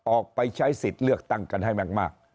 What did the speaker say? ออกไปใช้สิทธิ์เลือกตั้งกันให้มาก